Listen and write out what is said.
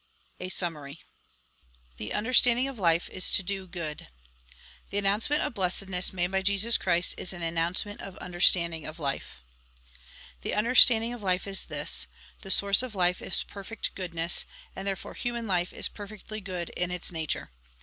A SUMMARY THE UNDEESTANDING OF LIFE IS TO DO GOOD The announcement of blessedness made by Jesus Christ is an announcement of understanding of life The understanding of life is this : The source of life is perfect goodness, and therefore human life is perfectly good in its nature.